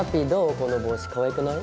この帽子かわいくない？